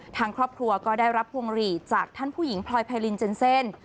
ทั้งครอบครัวก็ได้รับภวงหรี่จากท่านผู้หญิงพรอยพรายลินเจ็นเส้น